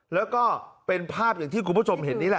แล้วก็เป็นภาพอย่างที่คุณผู้ชมเห็นนี่แหละ